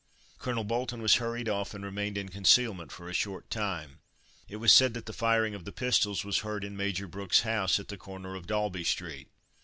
Colonel Bolton was hurried off and remained in concealment for a short time. It was said that the firing of the pistols was heard in Major Brooks' house at the corner of Daulby street.